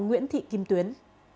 nguyễn thị kim tuyến